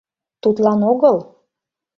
— Тудлан огыл.